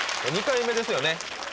２回目ですよね